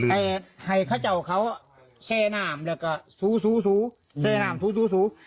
ให้ตัวเขาเชินหน้ามแล้วก็ซู๊